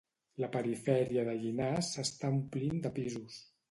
La perifèria de Llinars s'està omplint de pisos